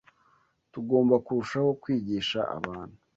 Tugomba kurushaho kwigisha abantu,